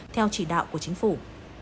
theo chỉ đạo của chính phủ